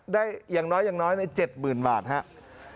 ได้อย่างน้อยใน๗หมื่นบาทครับ